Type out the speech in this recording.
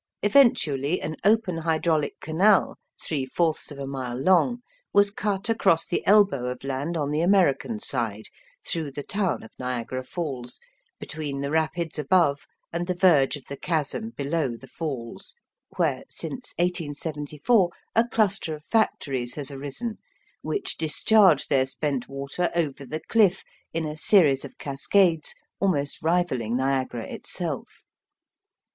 Eventually, an open hydraulic canal, three fourths of a mile long, was cut across the elbow of land on the American side, through the town of Niagara Falls, between the rapids above and the verge of the chasm below the Falls, where, since 1874, a cluster of factories has arisen, which discharge their spent water over the cliff in a series of cascades almost rivalling Niagara itself.